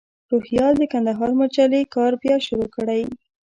روهیال د کندهار مجلې کار بیا شروع کړی.